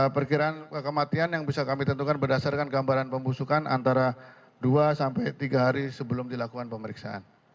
perkiraan kematian yang bisa kami tentukan berdasarkan gambaran pembusukan antara dua sampai tiga hari sebelum dilakukan pemeriksaan